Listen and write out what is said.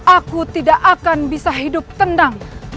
aku tidak akan bisa hidup tenang